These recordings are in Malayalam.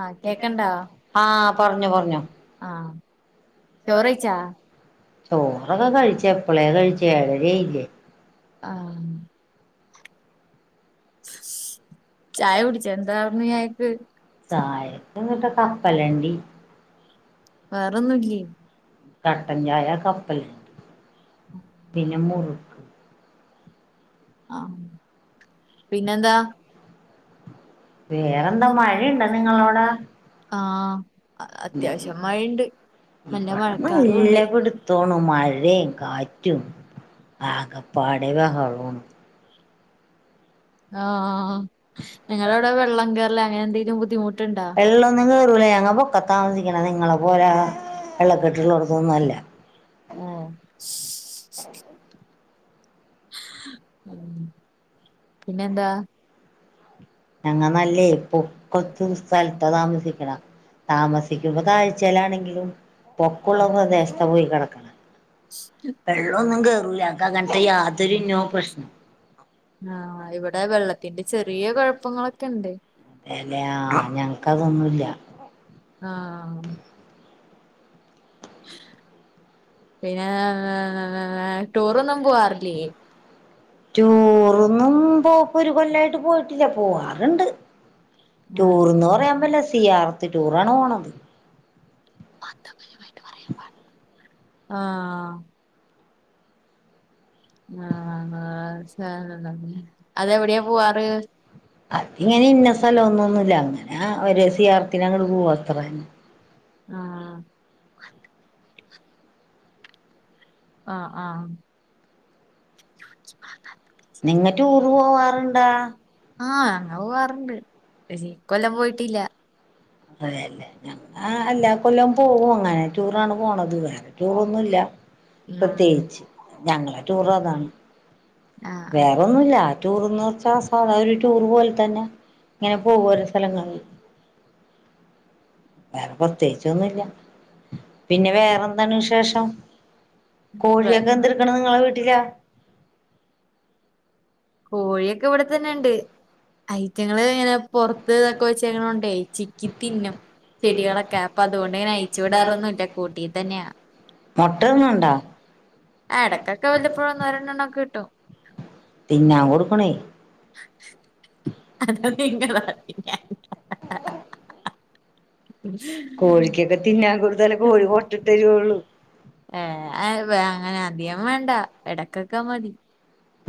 ആഹ കേക്കണ്ടോ ആഹ ചോറഴച്ചാ ആഹ സ സ് ചായക്കങ്ങിട്ട് കപ്പലണ്ടി കട്ടണച കപ്പ അല്ലെ പിന്നെ മുറുക്ക്ു ആഹ പിന്നെന്താ വേറെന്താ മഴയുണ്ട നിങ്ങവിടെ ആ നല്ല പിടുത്തോണു മഴയും കാറ്റും ആക പാടെ വഹള ആഹ നിങ്ങളവിടെ വെള്ളം കേയറ വന്തു മുട്ടി എല്ലാം എന്നങ്ങ വറല്ല അങ്ങ പക്കത്താമസിക്കണ നിങ്ങളെ പോലെ വെള്ളക്കെട്ടുള്ള ഉടുക്കൊന്നും അല്ല ഉ പിന്നെന്താ [unintelligible] ഇ വെള്ളത്തി തിന്റെ ചെറിയ കുഴപ്പം അതെല്ലെ ആ ഞങ്ങക്ക് അതൊന്നുംല്ല ആഹ പിന്നെ ഏ ടൂറൊന്നും പോവാറില്ലേ ടൂറൊന്നും പോ ഒരു കൊല്ലായിട്ട് പോയിട്ടില്ല പോവാറുണ്ട് [unintelligible] ആഹ ആഹ ആ ശല്ല അതിങ്ങനെ ഇന്ന സ്ഥലം ഒന്നും അങ്ങനെ ഒരു സിയാറാത്തിന അങ്ങട്ട് പോവാത്രാ ആഹ ആഹ ആഹ് [inaudible] എന്നിട്ട് പോവാറുണ്ട ആഹ അങ്ങ പോവാറുണ്ട് ശരി കൊല്ലം പോയിട്ടില്ല അതെല്ലെ ആ അല്ല കൊല്ലം പോകും അങ്ങനെ ടൂറാണ് പോണത് വേറെ ടൂറൊന്നല്ല പ്രത്യേകിച്ച് ഞങ്ങളെ ടൂർ അതാണ് വേറെന്നുമല്ല ആ ടൂർന്ന് വച്ചാ ആ സാധാ ഒരു ടൂർ പോലെ തന്നെ ഇങ്ങനെ പോകും ഒരു സ്ഥലങ്ങളിൽ വേറെ പ്രത്യേകിച്ചൊന്നുമില്ല പിന്നെ വേറെന്താണ് വിശേഷം കോഴിയൊക്കെ എന്തടുക്കണ നിങ്ങളെ വീട്ടിലാ കോഴി ഇവിടെത്തന്നെ ഉണ്ട് ഐറ്റങ്ങൾ ഇങ്ങനെ പുറത്ത്തക്കെ വങ്ങന ഉണ്ട്ച്ചക്ക് തിന്നും ചെടികളൊക്കെ അപ്പൊ അതുകൊണ്ട് ഇങ്ങനെ അയച്ചു വിടാറൊന്നുമല്ല കൂട്ടി തന്നെയാ ആ എടക്ക വല്ലപ്പോഴ ഒന്നരെണ്ണംക്കെ കിട്ടും പിന്നാ കൊടുക്കണേ അത നിങ്ങൾ ഏ അങ്ങനെ അധികം വേണ്ട ഇട കക്ക മടി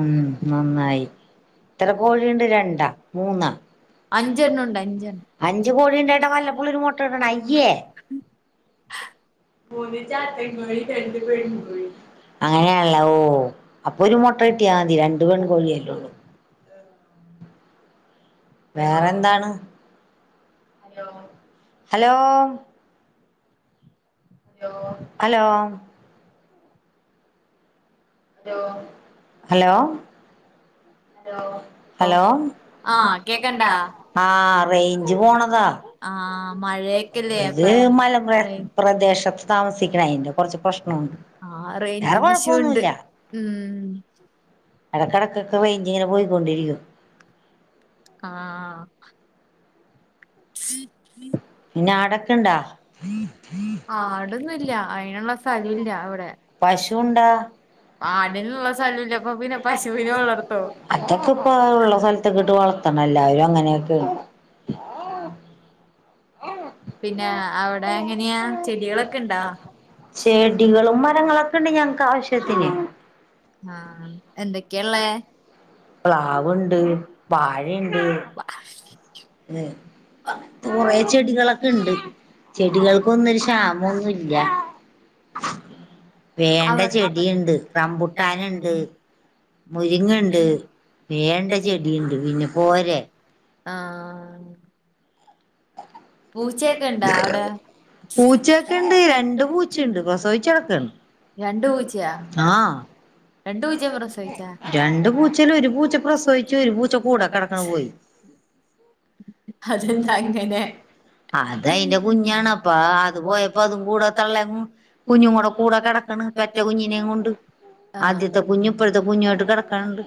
ഉം നന്നായി എറ കോള ഉണ്ട് രണ്ടാ മൂന്ന അഞ്ചെണ്ണ ഉണ്ട് അഞ്ചെണ് അഞ്ചു കോളിണ്ായിട്ട വല്ല അങ്ങനെയള്ള അപ്പൊ ഒരു- ആതി രണ്ട പെൺ കോഴിയല്ലള്ളൂ വേറെന്താണ് ഹലോ ഹലോ ഹലോ ഹലോ ആ കേൾക്ക്ണ്ടാ ആ റൈഞ്ച് പോണതാ ആ ഇത് മല പ്രദേശത്ത് താമസിക്കണത് അതിന്റെ കുറച്ച് പ്രശ്നം വേറെ കൊഴപ്പൊന്നുല്ല്യാ മ് ഇടക്കിടക്കൊക്കെ റെയിഞ്ച്ഇങ്ങനെ പോയികൊണ്ടിരിക്കും കൊണ്ടിരിക്കും ആ [inaudible] പിന്നെ ആടൊക്കെ ഇണ്ടാ പശുണ്ടാ അതൊക്കെ ഇപ്പ ഉള്ള സ്ഥലത്തങ്ങട്ട് വളർ നടത്തണല്ല അവരും അങ്ങനെയൊക്കെ ആ ആ [unintelligible] ചെടികളും മരങ്ങളൊക്കെ ഉണ്ട് ഞങ്ങക്ക് ആവിശ്യ ആവിശ്ത്തിന് ആഹ എന്തൊക്കെഇള്ളെ പ്രാവുണ്ട് വാഴണ്ട് കൊറെ ചെടികളൊക്കെ ഇണ്ട് ചെടികൾകൊന്നൊരു ക്ഷാമൊന്നുംല്ല വേണ്ട ചെടിയുണ്ട് റമ്പുട്ടാനുണ്ട് മുരിങ്ങണ്ട് വേണ്ട ചെടിയുണ്ട് പിന്നെ പോരെ ആ പൂച്ചയൊക്കെ ഇണ്ടാ അവിടെ ര പൂച്ചണ്ട് രണ്ട് പൂച്ചയാ രണ്ട് പൂച്ചയും പ്രസവിച്ചാ രണ്ട് പൂച്ചയിൽ ഒരു പൂച്ച പ്രസവിച്ച് ഒരു പൂച്ച കൂടെ കിടക്ക്ണ് അതെന്താ അങ്ങനെ അത് അയിന്റെ കുഞ്ഞാണ് അപ്പ അത് പോയപ്പോ അതും കൂടെ തള്ള കുഞ്ഞും കൂടെ കൂടെ കിടക്കണ് പെറ്റ കുഞ്ഞിനെയും കൊണ്ട് ആദ്യത്തെ കുഞ്ഞു ഇപ്പഴത്തെ കുഞ്ഞമായിട്ട് കിടക്കണുണ്ട്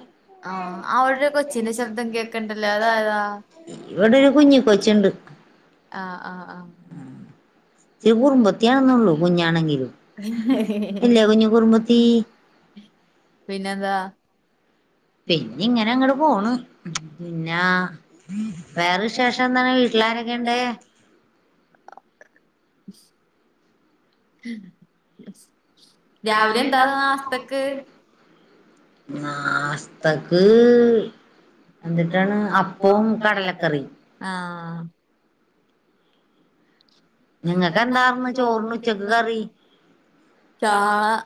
ഇവിടെരു കുഞ്ഞ കൊച്ചുണ്ട് ആ ആ ആ ഒരു കുറുമ്പത്തി ആണെന്നൊള്ളു കുഞ്ഞാണെങ്കിലും [inaudible] അല്ലെ കുഞ്ഞു കുറുമ്പത്തി പിന്നെ എന്താ പിന്നെ ഇങ്ങനെ അങ്ങട്ട പോണ് പിന്നെ [inaudible] വേറെ വിശേഷം എന്താണ് വീട്ടിലാരൊക്കെയണ്ട് [unintelligible] [inaudible] രാവിലെ എന്താ നാസ്തക്ക് ആ നാസ്തക്ക് എന്തിട്ടാണ് അപ്പവും കടലക്കറിയും ആഹ് നിങ്ങക്ക് എന്താർന്ന് ചോറിന് ഉച്ചക്ക് കറി ചാറ്ന്ന്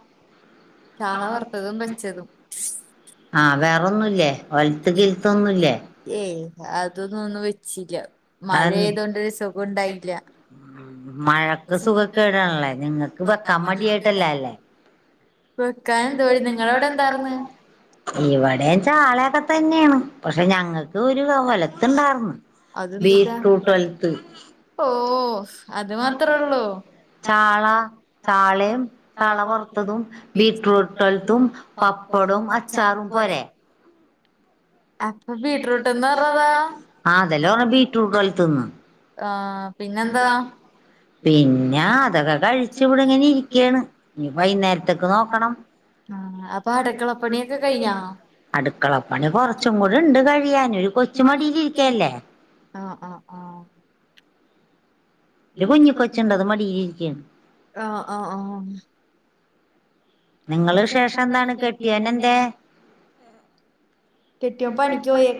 ആഹ് വേറെൊന്നുല്ലേ ഒലത്ത് കിൽത്തൊന്നുംല്ലേ അതൊന്നുംന്നും വെച്ചില്ല അ മഴക്ക് സുഖക്കേടാണല്ലേ നിങ്ങക്ക് വെക്കാൻ മടിയായിട്ടല്ല അല്ലേ ഇവിടെ ചാളെൊക്കെ തന്നെയാണ് പക്ഷെ ഞങ്ങൾക്ക് ഒരു ഒലത്ത് ഇണ്ടായിന്ന് ബീറ്റ്റൂട്ട് ഒൽത്ത് ചാള ചാളയും തള വറുത്തതും ബീറ്റ്റൂട്ട് ഒലുത്തും പപ്പടവും അച്ചാറും പോരെ ആ അതെല്ലാം ഞ്ഞ ബീറ്റ്രൂട്ട് ഒലത്തന്ന് ആഹ് പിന്നെ അതൊക്കെ കഴിച്ച് ഇവിടെ ഇങ്ങനെ ഇരിക്കാണ് നി വൈകുന്നേരത്തേക്ക് നോക്കണം അടുക്കളപ്പണി കൊറച്ചും കൂടെ ഇണ്ട് കഴിയൻ ഒരു കൊച്ച് മടിയിലിരിക്കല്ലേ ആഹ് ആ ആ നിങ്ങള് ശേഷം എന്താണ് കെട്ടിയോൻ എന്തേ കെട്ടിയോൻ പണിക്കോയി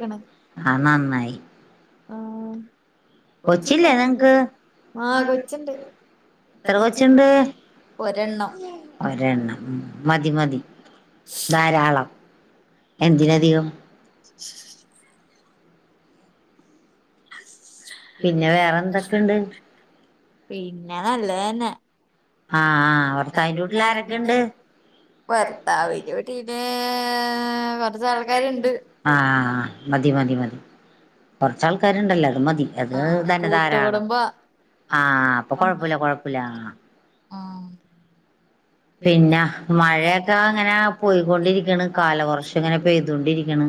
ആ ന്നായി ആഹ് കൊച്ചില്ലേ ങ്ങക്ക് എത്ര കൊച്ചുണ്ട് ഒരെണ്ണം മതി മതി ധാരാളം എന്തിനധികം [unintelligible] പിന്നെ വേറെ എന്തൊക്കെുണ്ട് പിന്നെ നല്ലേന്നെ ആ ഭർത്താവിൻ്റെ വീട്ടിലാരൊക്കെ ഇണ്ട് ഭർത്താവിൻ്റെ വീട്ടില് ആഹ മതി മതി മതി കുറച്ചാൾക്കാരുണ്ടല്ലോ അത് മതി അത് ധനധാരാണ് ആഹ അപ്പൊ കൊഴപ്പില്ല കൊഴപ്പില്ല ആഹ പിന്നെ മഴയൊക്കെ അങ്ങനെ പോയ്കൊണ്ടിരിക്കാണ് കാല ഇങ്ങനെ പെയതിട്ടിരിക്ക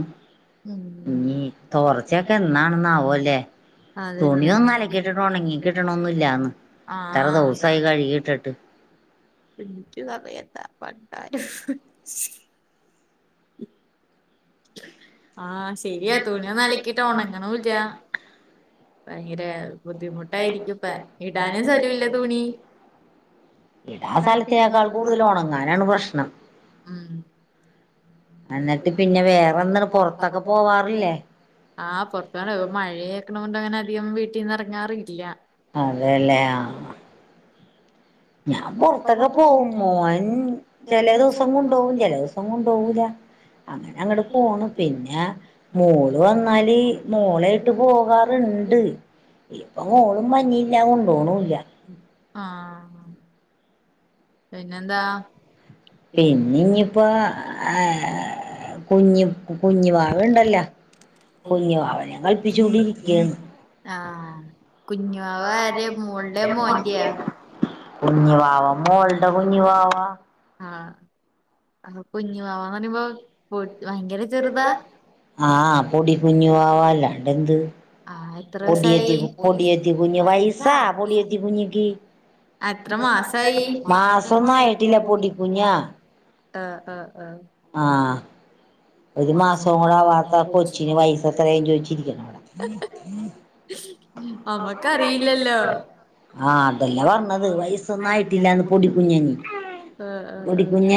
കൊറച്ചൊക്കെ എളെ കിട്ടിട്ടണങ്ങിട്ടണില്ല ആായി കഴിട്ട ഇക്ക എാ പഞ്ഞ ആ ശരി ഇടാ സ്ഥലത്തേക്കാൾ കൂടുതൽ ഉണങ്ങാനാണ് പ്രശ്നം ഉം ആറത്ത മഴക്കണ്ട്ങ്ങ ആം വീട്ടിൽ നിന്ന ഇറങ്ങാറില്ല അതെല്ലേ ഞാൻ പുൊറത്തൊക്കെ പോകും മോൻ ചില ദിവസം കൊണ്ട പോോകും ചില ദിവസം കൊണ്ട പോകല അങ്ങനെ അങ്ങോട്ട പോണ് പിന്നെ മോള് വന്നാല് മോളായിട്ട് പോകാറുണ്ട് ഇപ്പൊ മോളും മഞ്ഞിയില്ല കൊണ്ടപോണല്ല ആഹ പിന്നെ ഇനിയിപ്പോൊ ആ കുഞ്ഞു കുഞ്ഞു വവ ഉണ്ടല്ലോ കുഞ്ഞു വവ ഞാൻ കളിപ്പിച്ച കൊണ്ടിരിക്കയന്ന് കുഞ്ഞു അവരെ മോളില മോന്റയാ കുഞ്ഞി വവാ മോളുടെ കുഞ്ഞു വവാ ആ ആ കുഞ്ഞ ആഹ് പൊടി കുുഞ്ഞുവാവാല്ലണ്ട് എന്ത് ആ എത്ര ദിവസമായി എത്ര മാസമായി മാ ആ ആ ആ ഒരു മാസം കൂടെ ആവാത്ത കൊച്ചിന് വയസ എത്രയും ചോദിച്ചിരിക്കണം അവിടെ ആഹ അതല്ലേ പറഞ്ഞത് വയസൊന്നും ആായിട്ടില്ലന്ന് പൊടിക്കുഞ്ഞഞ് പൊടിക്കുഞ്ഞ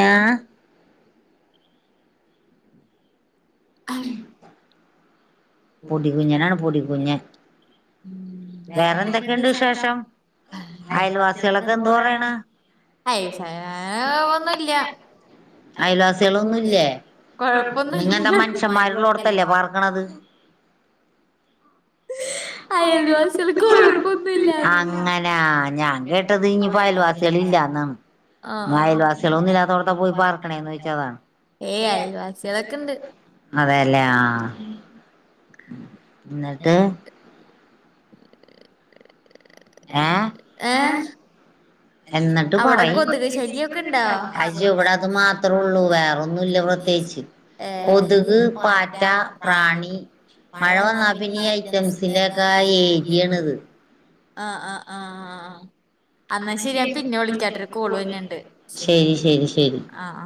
അ േറെഫ ഒന്നുമല്ലഴപ്പൊന്ന അയലവാസല് കൊഴപ്പൊന്നുമല്ല ഞാൻ കേട്ടത് ഇനിയിപ്പോ അയൽവാസികള ഇല്ലന്ന് അൽവാസികളൊന്നില്ലാത്തോടത്ത പോയി പാർക്കണേന്ന് ചോച്ചതാണ് അതെതെ അല്ലെ ആ എന്നിട്ട് ആഹ എന്നിട്ട് പറയും അശോ ഇവിടെ അത് മാത്രോ ഉള്ളൂ വേറോന്നുല്ലാ പ്രത്യേകിച്ച് കൊതുക് പാറ്റ പ്രാണി മഴ വന്നാ പിന്നെ ഈ ഐറ്റംസിന്റെ ഒക്കെ ഏരിയണിത്. ആ ആ ആഹാ. അന്നാ ശെരിഞാ പിന്നെ വിളിക്കാട്ടൊരു കോള് വന്നേണ്ട് ആ ആ